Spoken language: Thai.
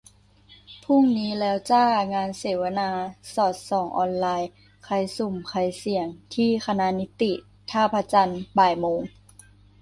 พรุ่งนี้แล้วจ้า งานเสวนา 'สอดส่องออนไลน์ : ใครสุ่ม ใครเสี่ยง ?' ที่คณะนิติ ท่าพระจันทร์ บ่ายโมง